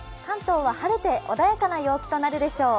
晴れて穏やかな陽気となるでしょう。